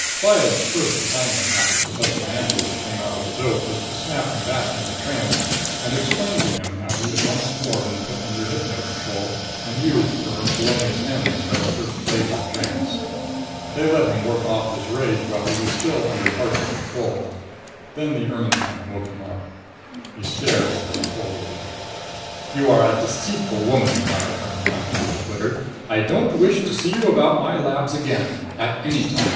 Lyad's first assignment after Professor Mantelish came out of the dope was to snap him back into trance and explain to him how he had once more been put under hypno control and used for her felonious ends by the First Lady of Tranest. They let him work off his rage while he was still under partial control. Then the Ermetyne woke him up. He stared at her coldly. "You are a deceitful woman, Lyad Ermetyne!" he declared. "I don't wish to see you about my labs again! At any time.